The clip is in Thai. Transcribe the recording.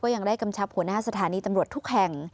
ยังได้กำชับหัวหน้าสถานีตำรวจทุกแห่ง